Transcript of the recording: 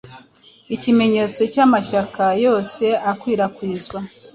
Ikimenyetso cya mashyaka yose akwirakwizwa